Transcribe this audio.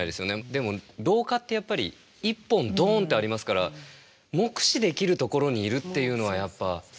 でも廊下ってやっぱり１本どんってありますから目視できるところにいるっていうのはやっぱ。